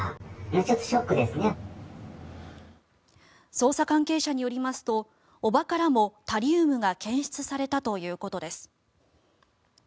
捜査関係者によりますと叔母からもタリウムが検出されたということです。